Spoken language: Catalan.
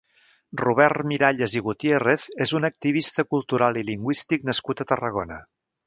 Robert Miralles i Gutiérrez és un activista cultural i lingüístic nascut a Tarragona.